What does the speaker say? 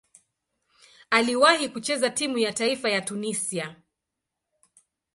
Aliwahi kucheza timu ya taifa ya Tunisia.